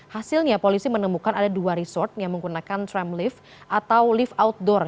hasilnya polisi menemukan ada dua resort yang menggunakan tram lift atau lift outdoor